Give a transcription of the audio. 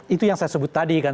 itu yang saya sebut tadi kan